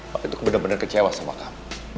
papi tuh bener bener kecewa sama kamu